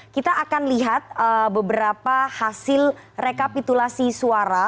kita akan lihat beberapa hasil rekapitulasi suara